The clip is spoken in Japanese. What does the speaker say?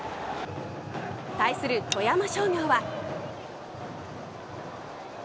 対する富山商業は。